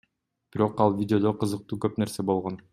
Бирок ал видеодо кызыктуу көп нерсе болгон.